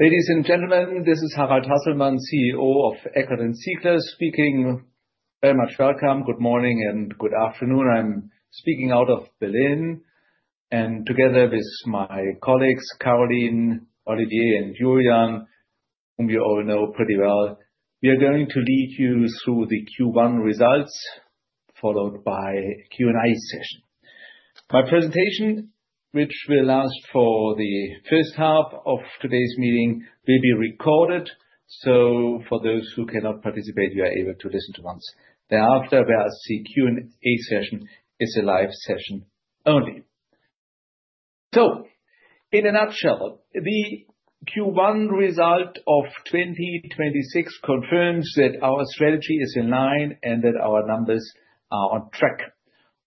Ladies and gentlemen, this is Harald Hasselmann, CEO of Eckert & Ziegler speaking. Very much welcome. Good morning and good afternoon. Together with my colleagues, Caroline, Olivier, and Julian, whom you all know pretty well, we are going to lead you through the Q1 results, followed by Q&A session. My presentation, which will last for the first half of today's meeting, will be recorded. For those who cannot participate, you are able to listen to once. Thereafter, we are seek Q&A session. It's a live session only. In a nutshell, the Q1 result of 2026 confirms that our strategy is in line and that our numbers are on track.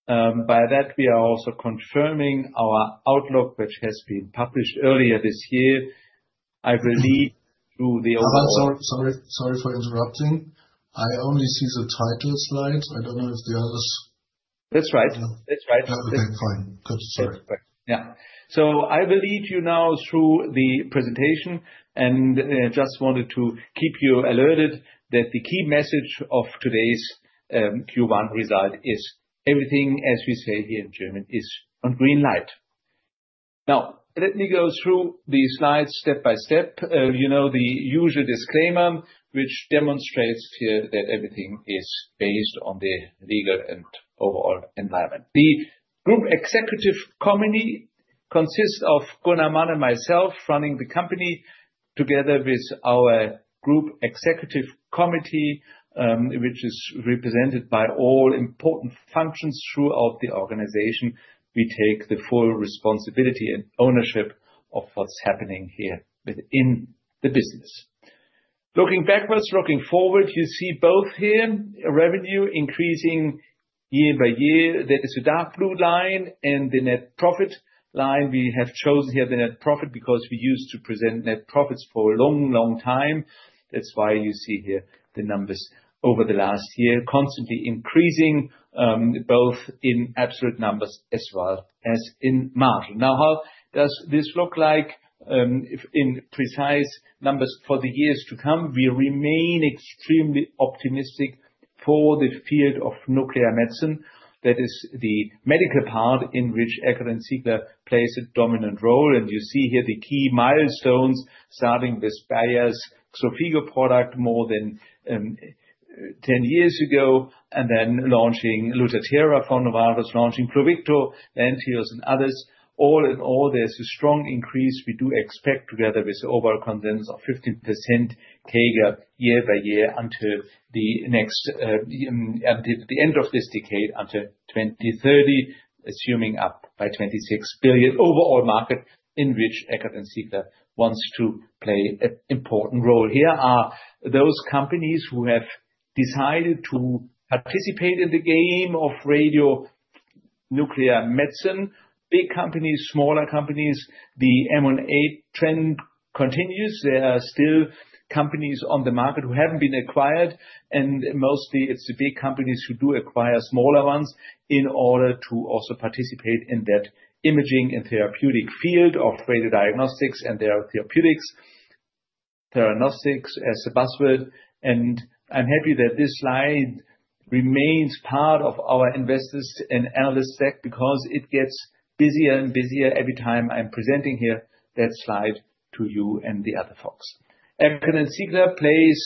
By that, we are also confirming our outlook, which has been published earlier this year. I will lead through the overall— Harald, sorry for interrupting. I only see the title slide. I don't know if the others. That's right. That's right. Okay, fine. Good. Sorry. Yeah. I will lead you now through the presentation and just wanted to keep you alerted that the key message of today's Q1 result is everything, as we say here in German, is on green light. Let me go through the slides step by step. You know the usual disclaimer, which demonstrates here that everything is based on the legal and overall environment. The Group Executive Committee consists of Gunnar Mann and myself running the company together with our Group Executive Committee, which is represented by all important functions throughout the organization. We take the full responsibility and ownership of what's happening here within the business. Looking backwards, looking forward, you see both here, revenue increasing year by year. That is the dark blue line and the net profit line. We have chosen here the net profit because we used to present net profits for a long, long time. That's why you see here the numbers over the last year constantly increasing, both in absolute numbers as well as in margin. Now, how does this look like, if in precise numbers for the years to come? We remain extremely optimistic for the field of nuclear medicine. That is the medical part in which Eckert & Ziegler plays a dominant role. You see here the key milestones, starting with Bayer's Xofigo product more than 10 years ago, then launching Lutathera for Novartis, launching Pluvicto, Lantheus, and others. All in all, there's a strong increase we do expect together with the overall condense of 15% CAGR year by year until the end of this decade, until 2030, assuming up by 26 billion overall market in which Eckert & Ziegler wants to play an important role. Here are those companies who have decided to participate in the game of radio nuclear medicine. Big companies, smaller companies. The M&A trend continues. There are still companies on the market who haven't been acquired, and mostly it's the big companies who do acquire smaller ones in order to also participate in that imaging and therapeutic field of radio diagnostics and their therapeutics. Theranostics as a buzzword. I'm happy that this slide remains part of our investors and analysts deck because it gets busier and busier every time I'm presenting here that slide to you and the other folks. Eckert & Ziegler plays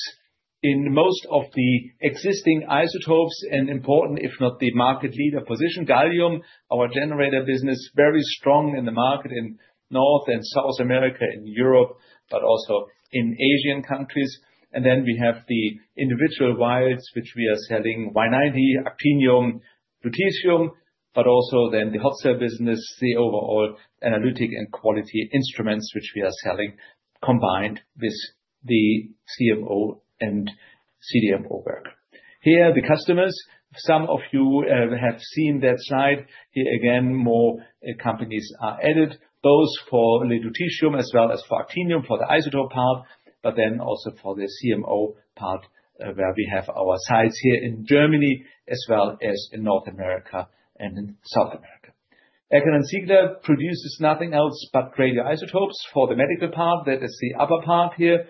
in most of the existing isotopes, an important, if not the market leader position. Gallium, our generator business, very strong in the market in North and South America, in Europe, but also in Asian countries. We have the individual vials, which we are selling Y90, actinium, lutetium, but also then the wholesale business, the overall analytic and quality instruments which we are selling combined with the CMO and CDMO work. Here are the customers. Some of you have seen that slide. Here again, more companies are added, both for lutetium as well as for actinium for the isotope part, but then also for the CMO part, where we have our sites here in Germany as well as in North America and in South America. Eckert & Ziegler produces nothing else but radioisotopes for the medical part. That is the upper part here.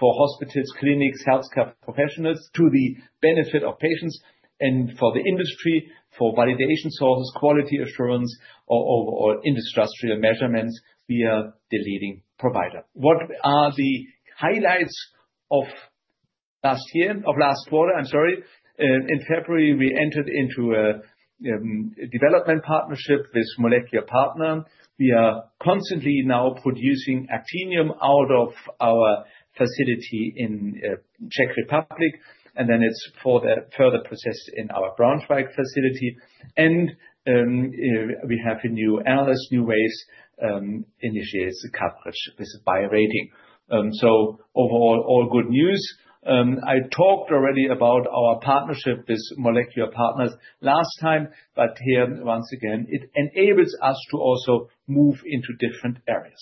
For hospitals, clinics, healthcare professionals to the benefit of patients and for the industry, for validation sources, quality assurance or overall industrial measurements, we are the leading provider. What are the highlights of last quarter, I'm sorry. In February, we entered into a development partnership with Molecular Partners. We are constantly now producing actinium out of our facility in Czech Republic, and then it's further processed in our Braunschweig facility. We have a new analyst, NuWays initiates a coverage with a buy rating. Overall, all good news. I talked already about our partnership with Molecular Partners last time, but here once again, it enables us to also move into different areas.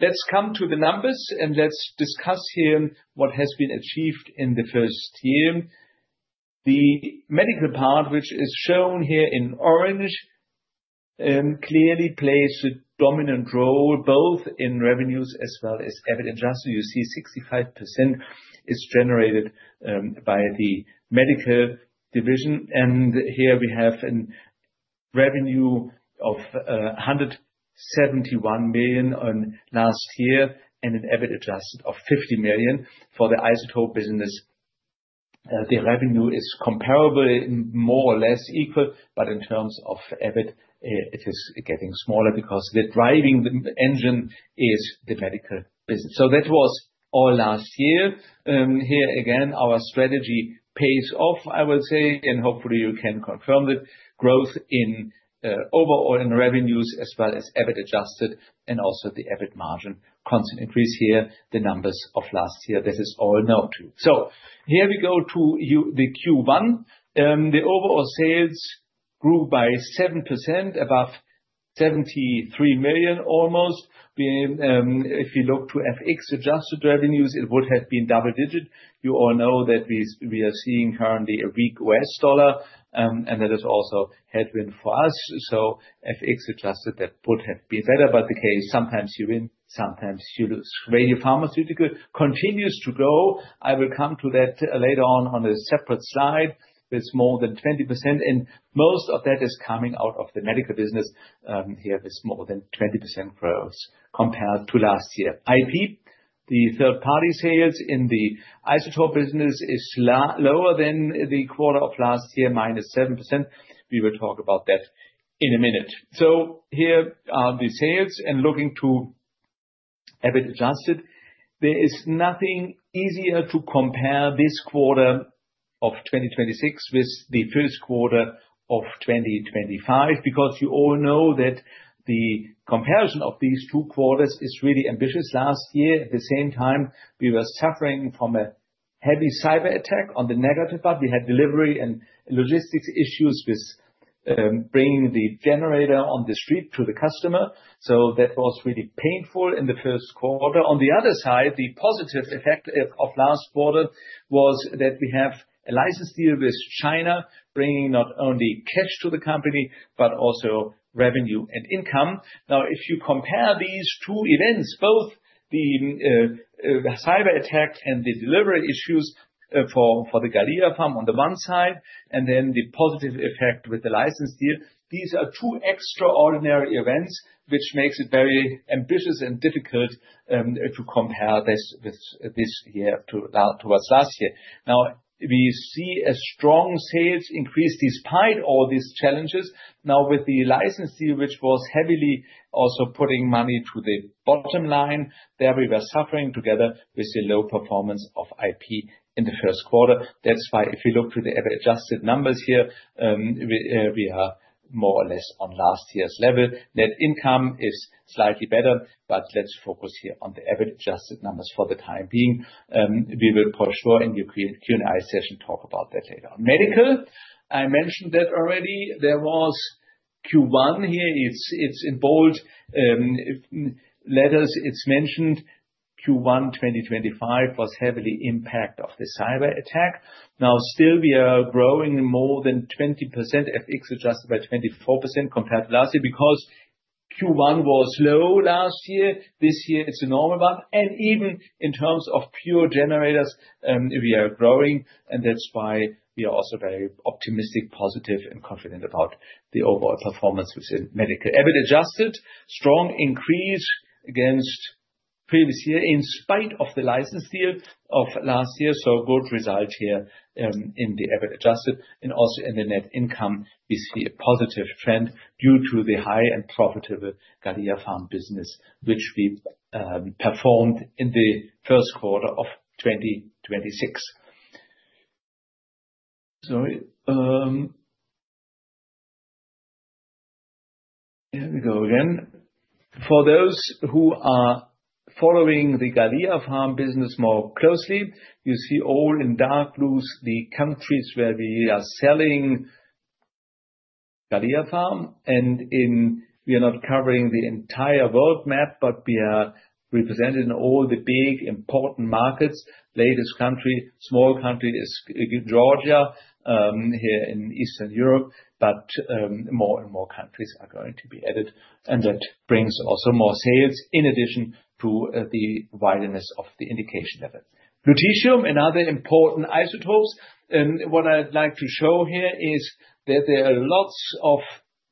Let's come to the numbers, and let's discuss here what has been achieved in the first year. The medical part, which is shown here in orange clearly plays a dominant role both in revenues as well as EBIT adjusted. You see 65% is generated by the medical division. Here we have a revenue of 171 million on last year and an EBIT adjusted of 50 million. For the isotope business, the revenue is comparable, more or less equal, but in terms of EBIT, it is getting smaller because the driving the engine is the medical business. That was all last year. Here again, our strategy pays off, I would say, and hopefully you can confirm it. Growth in overall in revenues as well as EBIT adjusted and also the EBIT margin constant increase here, the numbers of last year. That is all known too. Here we go to the Q1. The overall sales grew by 7%, above 73 million almost. We, if you look to FX adjusted revenues, it would have been double digit. You all know that we are seeing currently a weak US dollar, and that is also headwind for us. FX adjusted that would have been better, but the case, sometimes you win, sometimes you lose. Radiopharmaceutical continues to grow. I will come to that later on a separate slide. It's more than 20%, and most of that is coming out of the medical business. Here it's more than 20% growth compared to last year. IP, the third-party sales in the isotope business is lower than the quarter of last year, -7%. We will talk about that in a minute. Here are the sales and looking to EBIT adjusted. There is nothing easier to compare this quarter of 2026 with the first quarter of 2025, because you all know that the comparison of these two quarters is really ambitious. Last year, at the same time, we were suffering from a heavy cyber attack on the negative part. We had delivery and logistics issues with bringing the generator on the street to the customer. That was really painful in the first quarter. On the other side, the positive effect of last quarter was that we have a license deal with China, bringing not only cash to the company, but also revenue and income. If you compare these two events, both the cyber attack and the delivery issues for the GalliaPharm on the one side, and then the positive effect with the license deal, these are two extraordinary events, which makes it very ambitious and difficult to compare this with this year towards last year. We see a strong sales increase despite all these challenges. Now, with the license deal, which was heavily also putting money to the bottom line, there we were suffering together with the low performance of IP in the first quarter. That's why if you look to the EBIT adjusted numbers here, we are more or less on last year's level. Net income is slightly better, but let's focus here on the EBIT adjusted numbers for the time being. We will for sure in the Q&A session talk about that later on. Medical, I mentioned that already. There was Q1 here. It's in bold letters. It's mentioned Q1 2025 was heavily impact of the cyber attack. Now, still we are growing more than 20%, FX adjusted by 24% compared to last year because Q1 was low last year. This year it's normal, even in terms of pure generators, we are growing, that's why we are also very optimistic, positive and confident about the overall performance within medical. EBIT adjusted, strong increase against previous year in spite of the license deal of last year. Both result here, in the EBIT adjusted and also in the net income, we see a positive trend due to the high and profitable GalliaPharm business which we performed in the first quarter of 2026. Sorry. Here we go again. For those who are following the GalliaPharm business more closely, you see all in dark blues the countries where we are selling GalliaPharm. We are not covering the entire world map, but we are represented in all the big important markets. Latest country, small country is Georgia, here in Eastern Europe. More and more countries are going to be added, and that brings also more sales in addition to the wideness of the indication of it. Lutetium and other important isotopes. What I'd like to show here is that there are lots of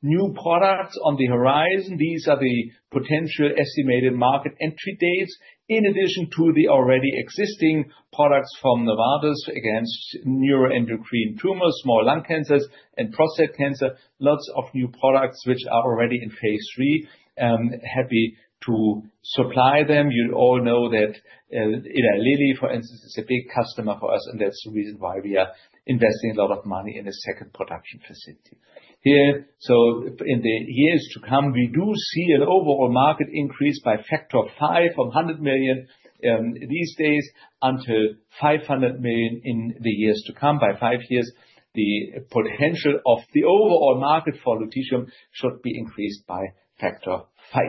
new products on the horizon. These are the potential estimated market entry dates. In addition to the already existing products from Novartis against neuroendocrine tumors, small cell lung cancer and prostate cancer. Lots of new products which are already in phase III. Happy to supply them. You all know that Eli Lilly, for instance, is a big customer for us, and that's the reason why we are investing a lot of money in a second production facility. Here, in the years to come, we do see an overall market increase by factor of 5 from 100 million these days until 500 million in the years to come. By five years, the potential of the overall market for lutetium should be increased by factor 5.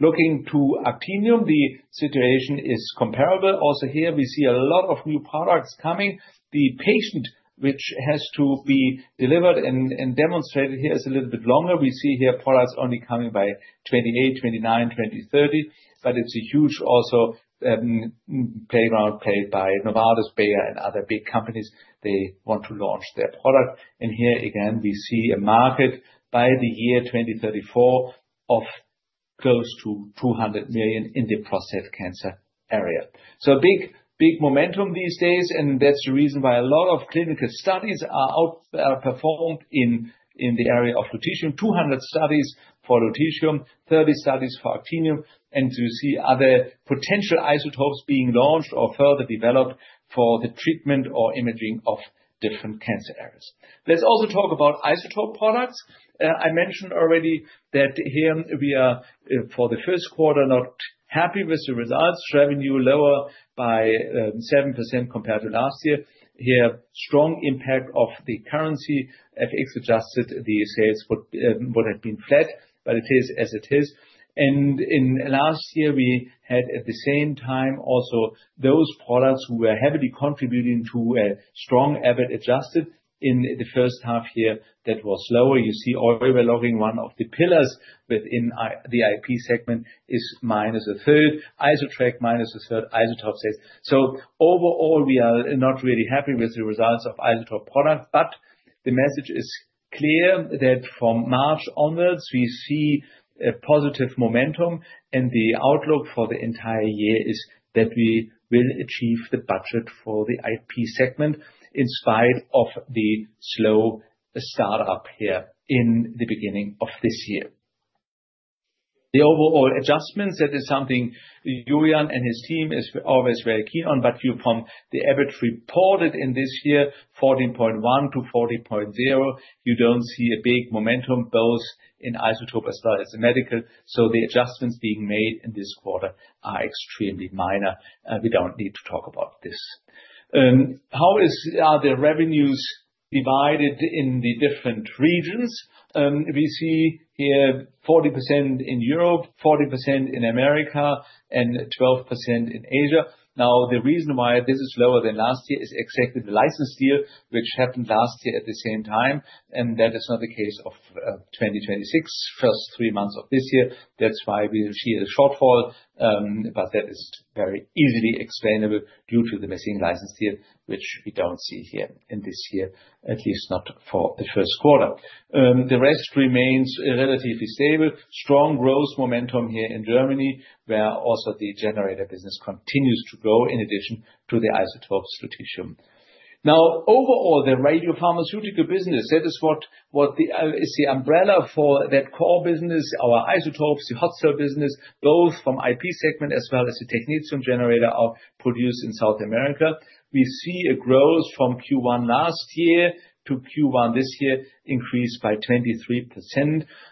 Looking to actinium, the situation is comparable. Here, we see a lot of new products coming. The patient, which has to be delivered and demonstrated here is a little bit longer. We see here products only coming by 2028, 2029, 2030. It's a huge also playground played by Novartis, Bayer and other big companies. They want to launch their product. Here again, we see a market by the year 2034 of close to 200 million in the prostate cancer area. Big momentum these days, and that's the reason why a lot of clinical studies are performed in the area of lutetium. 200 studies for lutetium, 30 studies for actinium. You see other potential isotopes being launched or further developed for the treatment or imaging of different cancer areas. Let's also talk about isotope products. I mentioned already that here we are, for the first quarter, not happy with the results. Revenue lower by 7% compared to last year. Here, strong impact of the currency. FX-adjusted, the sales would have been flat, but it is as it is. In last year, we had, at the same time also, those products were heavily contributing to a strong EBIT adjusted in the first half year that was lower. You see oil well logging, one of the pillars within the IP segment, is minus a third. Isotrak, minus a third. Isotope sales. Overall, we are not really happy with the results of isotope product, but the message is clear that from March onwards, we see a positive momentum, and the outlook for the entire year is that we will achieve the budget for the IP segment in spite of the slow startup here in the beginning of this year. The overall adjustments, that is something Julian and his team is always very keen on. You from the EBIT reported in this year, 14.1% to 14.0%, you don't see a big momentum both in isotope as well as in medical. The adjustments being made in this quarter are extremely minor. We don't need to talk about this. How are the revenues divided in the different regions? We see here 40% in Europe, 40% in America, and 12% in Asia. The reason why this is lower than last year is exactly the license deal, which happened last year at the same time, and that is not the case of 2026, first three months of this year. That's why we see a shortfall, that is very easily explainable due to the missing license deal, which we don't see here in this year, at least not for the first quarter. The rest remains relatively stable. Strong growth momentum here in Germany, where also the generator business continues to grow in addition to the isotopes lutetium. Overall, the radiopharmaceutical business, that is what the is the umbrella for that core business. Our isotopes, the hot cell business, both from IP segment as well as the technetium generator are produced in South America. We see a growth from Q1 last year to Q1 this year increased by 23%,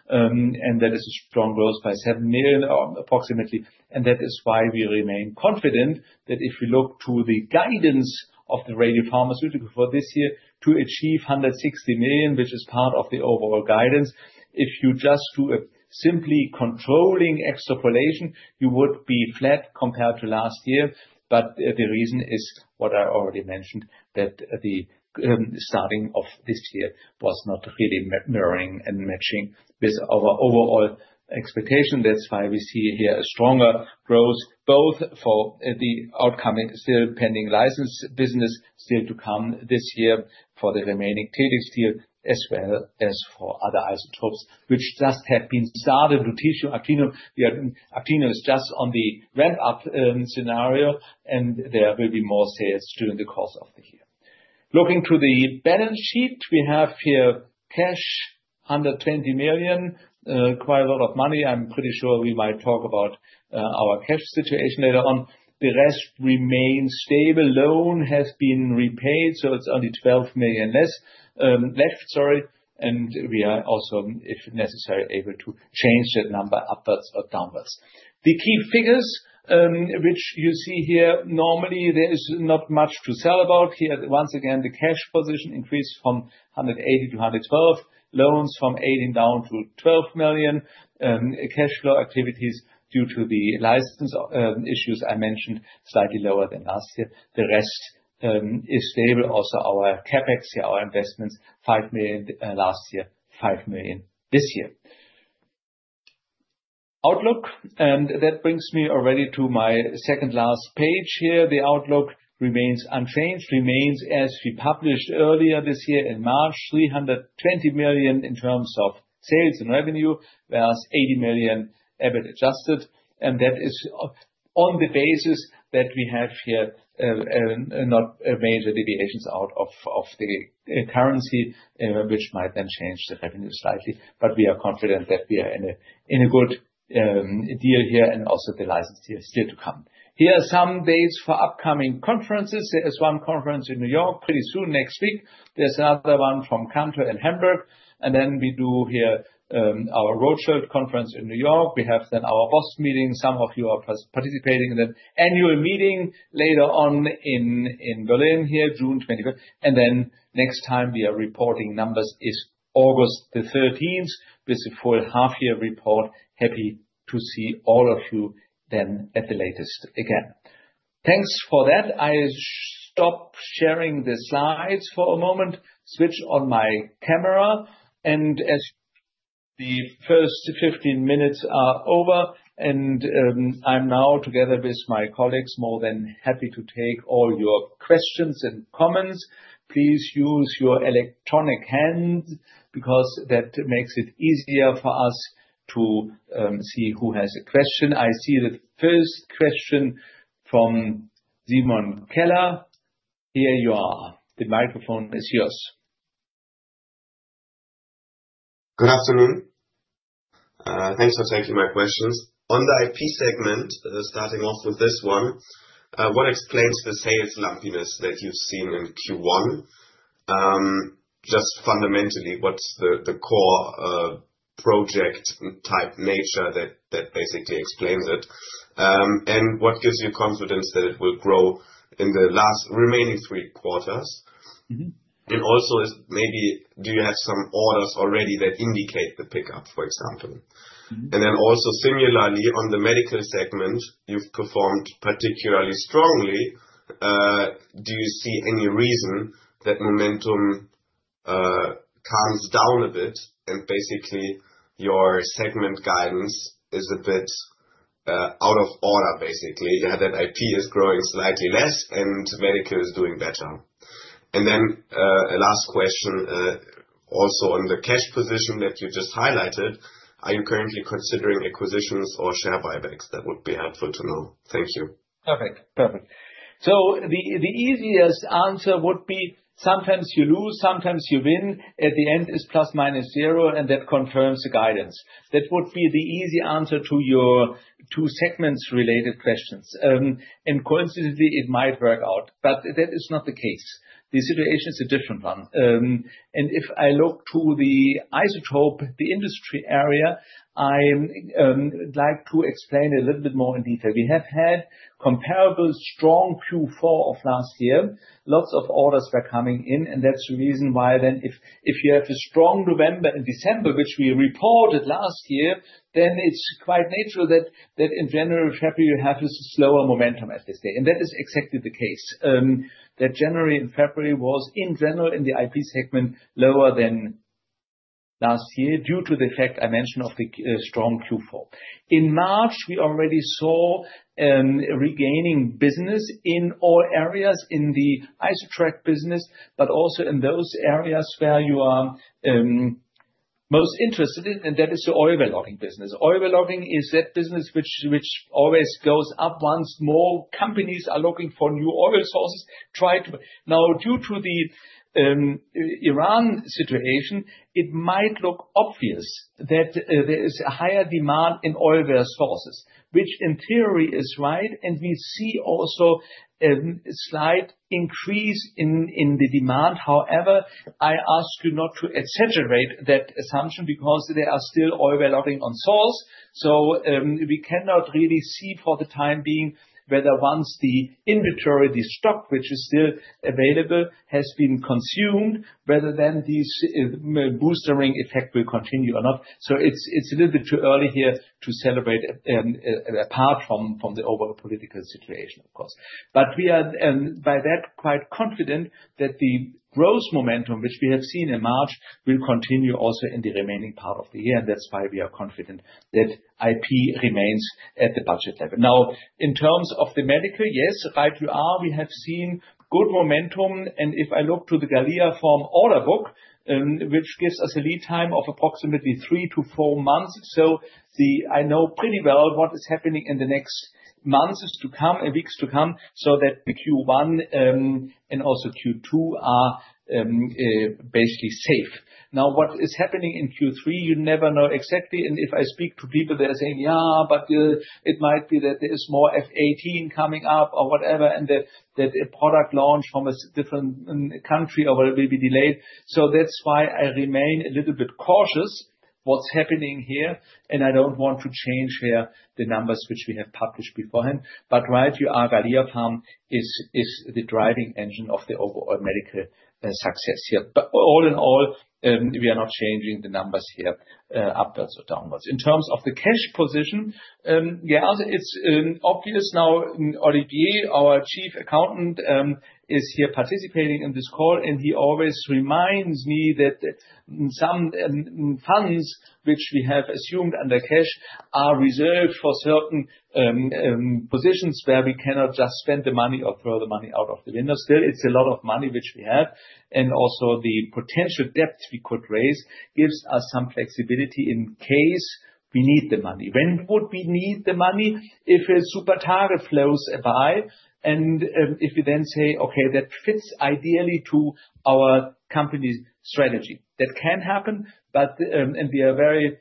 and that is a strong growth by 7 million approximately. That is why we remain confident that if we look to the guidance of the radiopharmaceutical for this year to achieve 160 million, which is part of the overall guidance, if you just do a simply controlling extrapolation, you would be flat compared to last year. The reason is what I already mentioned, that the starting of this year was not really mirroring and matching with our overall expectation. That's why we see here a stronger growth, both for the upcoming still pending license business still to come this year for the remaining Telix deal, as well as for other isotopes which just have been started, lutetium, actinium. The actinium is just on the ramp-up scenario, there will be more sales during the course of the year. Looking to the balance sheet, we have here cash, under 20 million. Quite a lot of money. I'm pretty sure we might talk about our cash situation later on. The rest remains stable. Loan has been repaid, so it's only 12 million less left, sorry. We are also, if necessary, able to change that number upwards or downwards. The key figures, which you see here, normally there is not much to say about. Here, once again, the cash position increased from 180 million-112 million. Loans from 80 million down to 12 million. Cash flow activities due to the license issues I mentioned, slightly lower than last year. The rest is stable. Also our CapEx here, our investments, 5 million last year, 5 million this year. Outlook, that brings me already to my second last page here. The outlook remains unchanged, remains as we published earlier this year in March, 320 million in terms of sales and revenue, whereas 80 million EBIT adjusted. That is on the basis that we have here not major deviations out of the currency, which might then change the revenue slightly. We are confident that we are in a good deal here and also the license here still to come. Here are some dates for upcoming conferences. There is one conference in New York pretty soon, next week. There is another one from Cantor in Hamburg. Then we do here our roadshow conference in New York. We have then our Annual General Meeting. Some of you are participating in the annual meeting later on in Berlin here, June 25th. Then next time we are reporting numbers is August 13th with the full half year report. Happy to see all of you then at the latest again. Thanks for that. I stop sharing the slides for a moment, switch on my camera. As the first 15 minutes are over, I am now together with my colleagues, more than happy to take all your questions and comments. Please use your electronic hand because that makes it easier for us to see who has a question. I see the first question from Simon Keller, here you are. The microphone is yours. Good afternoon. Thanks for taking my questions. On the IP segment, starting off with this one, what explains the sales lumpiness that you've seen in Q1? Just fundamentally, what's the core project type nature that basically explains it? What gives you confidence that it will grow in the last remaining three quarters? Maybe do you have some orders already that indicate the pickup, for example? Also similarly on the medical segment, you've performed particularly strongly. Do you see any reason that momentum calms down a bit and basically your segment guidance is a bit out of order, basically? That IP is growing slightly less and medical is doing better. Last question, also on the cash position that you just highlighted, are you currently considering acquisitions or share buybacks? That would be helpful to know. Thank you. Perfect. The easiest answer would be sometimes you lose, sometimes you win. At the end it's plus minus zero, and that confirms the guidance. That would be the easy answer to your two segments related questions. Coincidentally, it might work out, that is not the case. The situation is a different one. If I look to the isotope industry area, I like to explain a little bit more in detail. We have had comparable strong Q4 of last year. Lots of orders were coming in, that's the reason why then if you have a strong November and December, which we reported last year, then it's quite natural that in January, February, you have this slower momentum, as they say. That is exactly the case. That January and February was in general in the IP segment, lower than last year due to the effect I mentioned of the strong Q4. In March, we already saw regaining business in all areas in the Isotrak business, but also in those areas where you are most interested in, and that is the oil well logging business. Oil well logging is that business which always goes up once more companies are looking for new oil sources. Due to the Iran situation, it might look obvious that there is a higher demand in oil well sources, which in theory is right, and we see also a slight increase in the demand. I ask you not to exaggerate that assumption because they are still oil well logging on source. We cannot really see for the time being whether once the inventory, the stock, which is still available, has been consumed, whether then this m-boostering effect will continue or not. It's a little bit too early here to celebrate apart from the overall political situation, of course. We are by that quite confident that the growth momentum, which we have seen in March, will continue also in the remaining part of the year. That's why we are confident that IP remains at the budget level. In terms of the medical, yes, right you are. We have seen good momentum. If I look to the GalliaPharm order book, which gives us a lead time of approximately three to four months. I know pretty well what is happening in the next months to come and weeks to come, so that the Q1 and also Q2 are basically safe. What is happening in Q3, you never know exactly. If I speak to people, they're saying, "Yeah, but it might be that there is more F-18 coming up or whatever, and that a product launch from a different country or whatever will be delayed." That is why I remain a little bit cautious what's happening here, and I don't want to change here the numbers which we have published beforehand. Right you are, GalliaPharm is the driving engine of the overall medical success here. All in all, we are not changing the numbers here upwards or downwards. In terms of the cash position, Olivier, our Chief Accountant, is here participating in this call, and he always reminds me that some funds which we have assumed under cash are reserved for certain positions where we cannot just spend the money or throw the money out of the window. It's a lot of money which we have, and also the potential debt we could raise gives us some flexibility in case we need the money. When would we need the money? If a super target flows by and if we then say, "Okay, that fits ideally to our company's strategy." That can happen, but we are very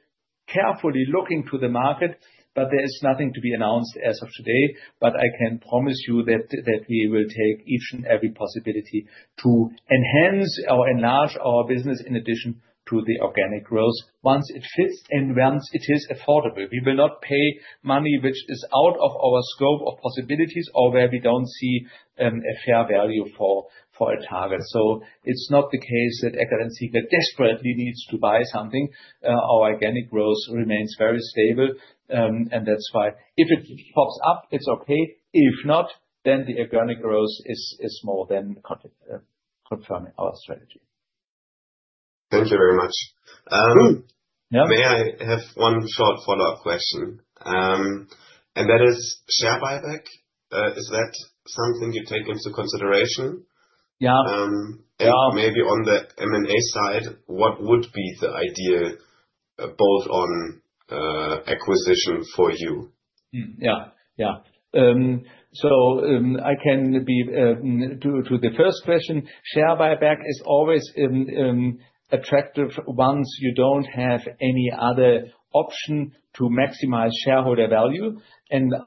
carefully looking to the market. There is nothing to be announced as of today. I can promise you that we will take each and every possibility to enhance or enlarge our business in addition to the organic growth. Once it fits and once it is affordable. We will not pay money which is out of our scope of possibilities or where we don't see a fair value for a target. It's not the case that Eckert & Ziegler desperately needs to buy something. Our organic growth remains very stable, that's why if it pops up, it's okay. If not, the organic growth is more than confirming our strategy. Thank you very much. Yeah. May I have one short follow-up question? That is share buyback. Is that something you take into consideration? Yeah. Maybe on the M&A side, what would be the idea, both on acquisition for you? Yeah. Yeah. I can be to the first question, share buyback is always attractive once you don't have any other option to maximize shareholder value.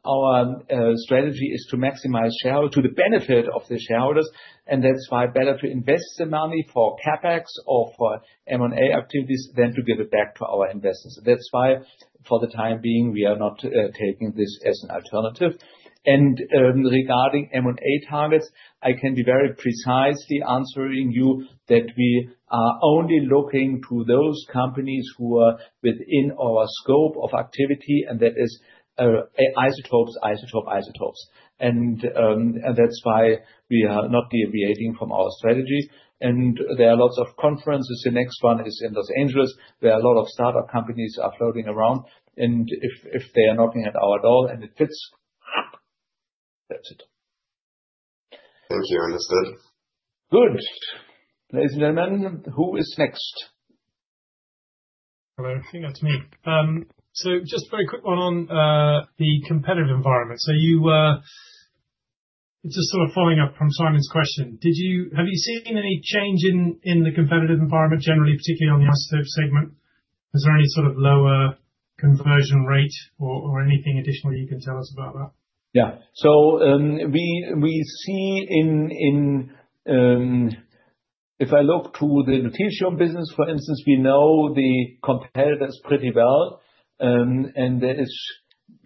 Our strategy is to maximize to the benefit of the shareholders, and that's why better to invest the money for CapEx or for M&A activities than to give it back to our investors. That's why, for the time being, we are not taking this as an alternative. Regarding M&A targets, I can be very precisely answering you that we are only looking to those companies who are within our scope of activity, and that is isotopes. That's why we are not deviating from our strategy. There are lots of conferences. The next one is in Los Angeles, where a lot of startup companies are floating around, if they are knocking at our door and it fits, that's it. Thank you. Understood. Good. Ladies and gentlemen, who is next? Hello. I think that's me. Just very quick one on the competitive environment. It's just sort of following up from Simon's question. Have you seen any change in the competitive environment generally, particularly on the isotope segment? Is there any sort of lower conversion rate or anything additional you can tell us about that? If I look to the lutetium business, for instance, we know the competitors pretty well, and there is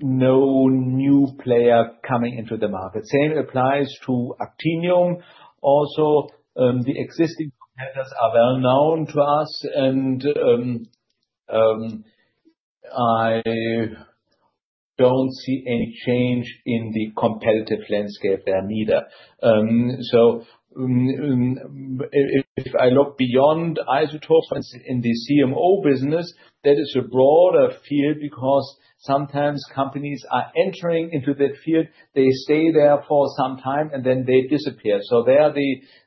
no new player coming into the market. Same applies to actinium also. The existing competitors are well known to us and I don't see any change in the competitive landscape there neither. If I look beyond isotopes, for instance, in the CMO business, that is a broader field because sometimes companies are entering into that field, they stay there for some time, and then they disappear. There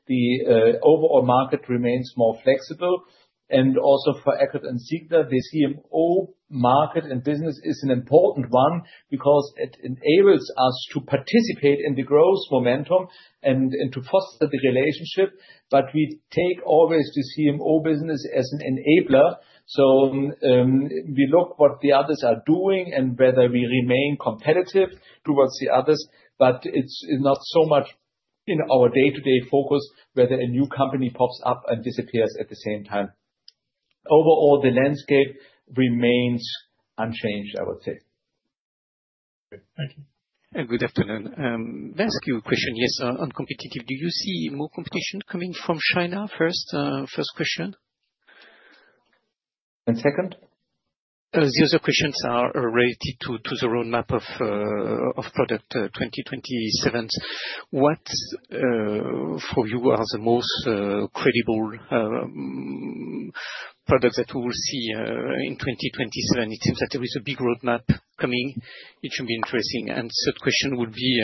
the overall market remains more flexible. For Eckert & Ziegler, the CMO market and business is an important one because it enables us to participate in the growth momentum and to foster the relationship. We take always the CMO business as an enabler. We look what the others are doing and whether we remain competitive towards the others. It's not so much in our day-to-day focus whether a new company pops up and disappears at the same time. Overall, the landscape remains unchanged, I would say. Thank you. Good afternoon. May I ask you a question, yes, on competitive. Do you see more competition coming from China, first question? Second? The other questions are related to the roadmap of product 2027s. What for you are the most credible products that we will see in 2027? It seems that there is a big roadmap coming. It should be interesting. Third question would be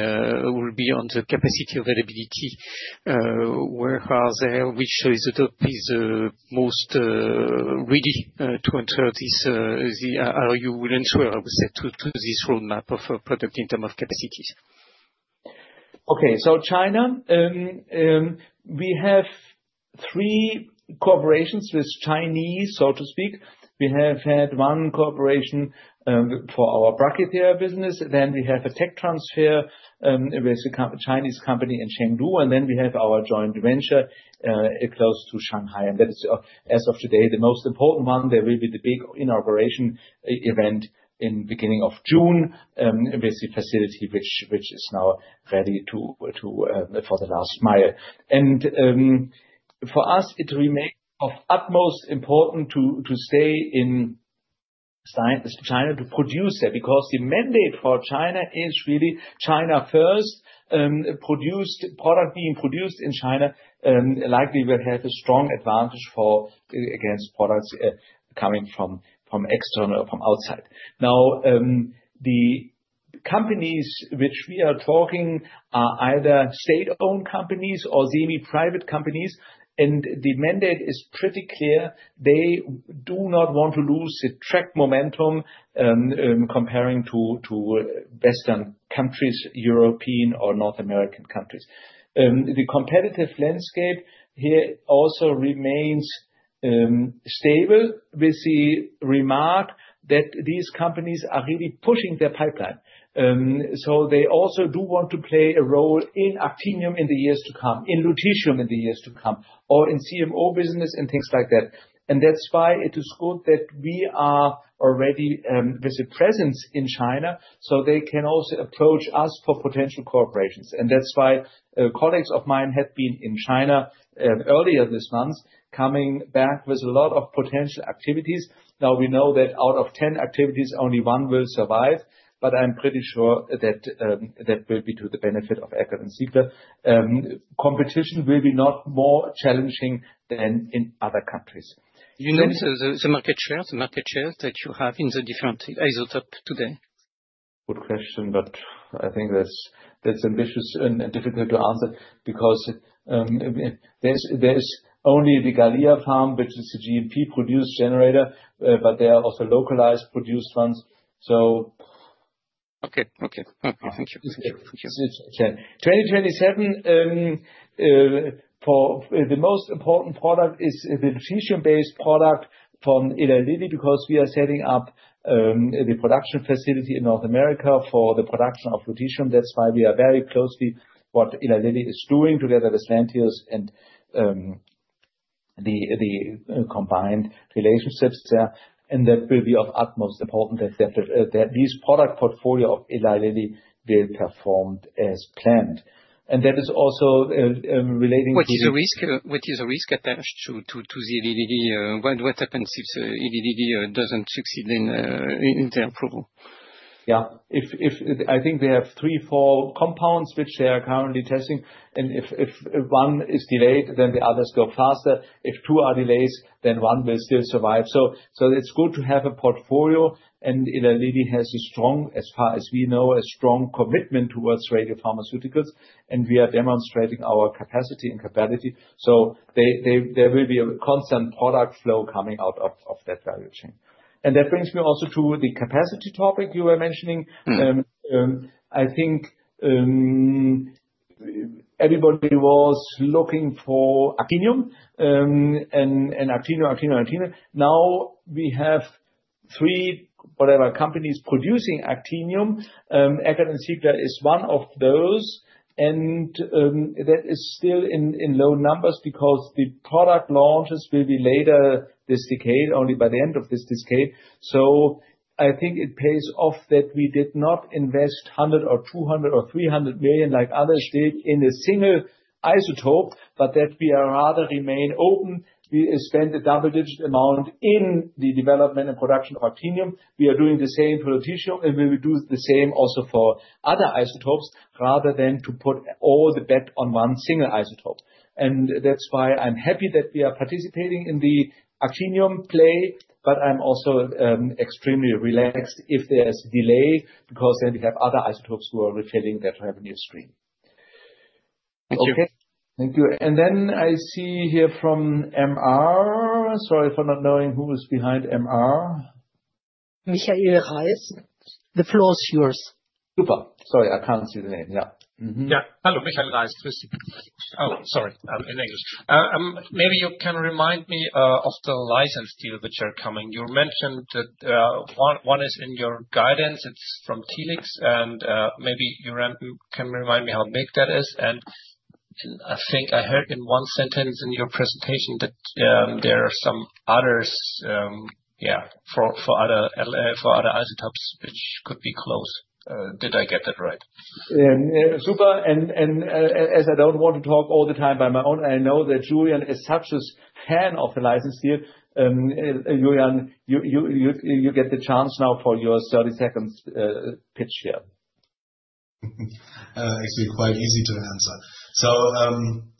on the capacity availability. Where are there? Which isotope is most ready to enter this? How you will answer, I would say, to this roadmap of a product in term of capacities? Okay. China, we have three cooperations with Chinese, so to speak. We have had one cooperation for our brachytherapy business. We have a tech transfer with a Chinese company in Chengdu, and then we have our joint venture close to Shanghai. That is, as of today, the most important one. There will be the big inauguration event in beginning of June with the facility which is now ready to for the last mile. For us, it remains of utmost important to stay in China to produce that, because the mandate for China is really China first, product being produced in China, likely will have a strong advantage for, against products, coming from external, from outside. The companies which we are talking are either state-owned companies or semi-private companies, and the mandate is pretty clear. They do not want to lose the track momentum comparing to Western countries, European or North American countries. The competitive landscape here also remains stable with the remark that these companies are really pushing their pipeline. They also do want to play a role in actinium in the years to come, in lutetium in the years to come, or in CMO business and things like that. That's why it is good that we are already with a presence in China, so they can also approach us for potential cooperations. That's why colleagues of mine have been in China earlier this month, coming back with a lot of potential activities. We know that out of 10 activities, only one will survive, but I'm pretty sure that that will be to the benefit of Eckert & Ziegler. Competition will be not more challenging than in other countries. You know the market shares that you have in the different isotope today? Good question. I think that's ambitious and difficult to answer because there's only the GalliaPharm, which is a GMP produced generator, but there are also localized produced ones. Okay. Okay. Okay, thank you. Thank you. 2027, for the most important product is the lutetium-based product from Eli Lilly, because we are setting up the production facility in North America for the production of lutetium. That's why we are very closely what Eli Lilly is doing together with Lantheus and the combined relationships there. That will be of utmost important that this product portfolio of Eli Lilly will perform as planned. That is also relating to the. What is the risk attached to the Eli Lilly? What happens if Eli Lilly doesn't succeed in their approval? Yeah. I think they have three, four compounds which they are currently testing, and if one is delayed, then the others go faster. If two are delays, then one will still survive. So it's good to have a portfolio, and Eli Lilly has a strong, as far as we know, a strong commitment towards radiopharmaceuticals, and we are demonstrating our capacity and capability. So there will be a constant product flow coming out of that value chain. That brings me also to the capacity topic you were mentioning. I think everybody was looking for actinium, and actinium. Now we have three, whatever companies producing actinium. Eckert & Ziegler is one of those. That is still in low numbers because the product launches will be later this decade, only by the end of this decade. I think it pays off that we did not invest 100 million or 200 million or 300 million, like others did, in a single isotope, but that we are rather remain open. We spend a double-digit amount in the development and production of actinium. We are doing the same for lutetium, and we will do the same also for other isotopes rather than to put all the bet on one single isotope. That's why I'm happy that we are participating in the actinium play, but I'm also extremely relaxed if there's a delay, because then we have other isotopes who are refilling that revenue stream. Thank you. Okay. Thank you. I see here from MR, sorry for not knowing who is behind MR. The floor is yours. Super. Sorry, I can't see the name. Yeah. Yeah. Hello, Michael Reis. Oh, sorry. In English. Maybe you can remind me of the license deal which are coming. You mentioned that one is in your guidance, it's from Telix. Maybe you can remind me how big that is. I think I heard in one sentence in your presentation that there are some others, yeah, for other isotopes which could be close. Did I get that right? Super. As I don't want to talk all the time by my own, I know that Julian is such a fan of the license deal. Julian, you get the chance now for your 30-second pitch here. It's been quite easy to answer.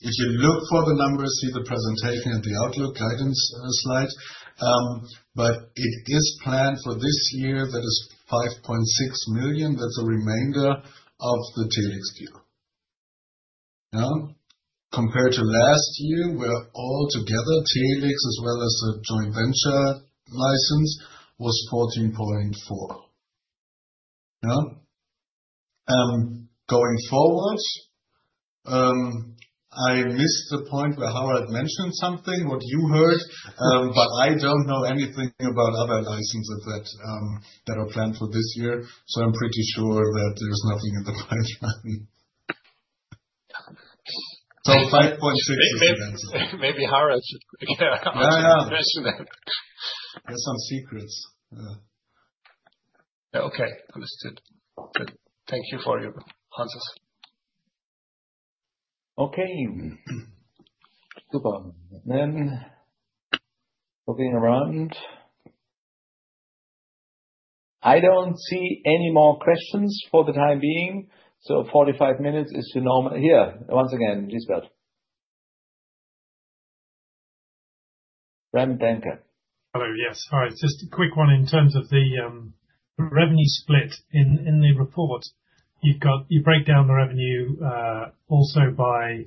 If you look for the numbers, see the presentation and the outlook guidance slide. It is planned for this year, that is 5.6 million. That's the remainder of the Telix deal. Now, compared to last year, where all together, Telix, as well as the joint venture license, was EUR 14.4. Yeah? Going forward, I missed the point where Harald mentioned something, what you heard, I don't know anything about other licenses that are planned for this year. I'm pretty sure that there's nothing in the pipeline. 5.6 is the answer. Maybe Harald— Yeah. —mention that. There are some secrets. Okay. Understood. Thank you for your answers. Okay. Super. Looking around. I don't see any more questions for the time being. 45 minutes is the norm. Here, once again, [Gisbert Bardenhewer]. Hello. Yes. All right. Just a quick one in terms of the revenue split in the report. You break down the revenue also by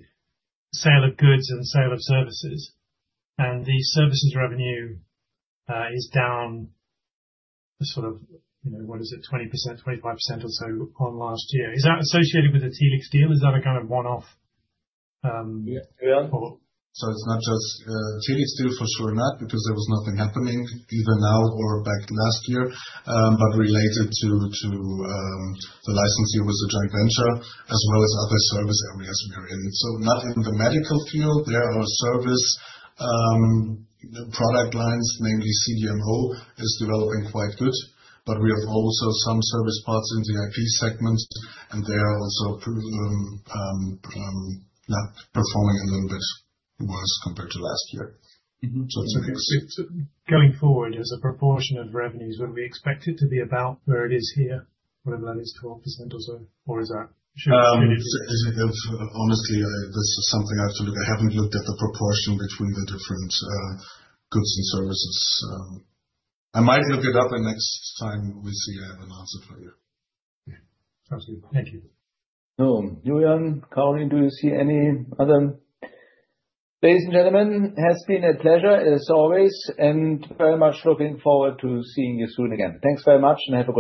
sale of goods and sale of services. The services revenue is down to sort of, you know, what is it, 20%, 25% or so on last year. Is that associated with the Telix deal? Is that a kind of one-off— Yeah. —or? It's not just Telix deal for sure not, because there was nothing happening either now or back last year. But related to the license deal with the joint venture, as well as other service areas we are in. Not in the medical field. There are service product lines, mainly CDMO is developing quite good, but we have also some service parts in the IP segment, and they are also not performing a little bit worse compared to last year. It's a mix. Going forward, as a proportion of revenues, would we expect it to be about where it is here, whatever that is, 12% or so? Honestly, this is something I have to look at. I haven't looked at the proportion between the different goods and services. I might look it up, and next time we'll see, I have an answer for you. Sounds good. Thank you. Julian, Caroline, do you see any other? Ladies and gentlemen, it has been a pleasure as always, and very much looking forward to seeing you soon again. Thanks very much, and have a great day.